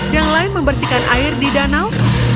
yang lain membersihkan air di danau